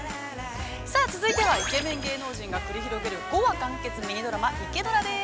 ◆続いてはイケメン芸能人が繰り広げる、５話完結ミニドラマ、「イケドラ」です。